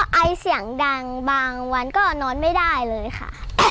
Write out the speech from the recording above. ไอเสียงดังบางวันก็นอนไม่ได้เลยค่ะ